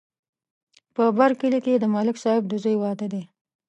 په بر کلي کې د ملک صاحب د زوی واده دی